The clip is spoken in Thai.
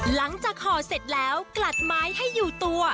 ห่อเสร็จแล้วกลัดไม้ให้อยู่ตัว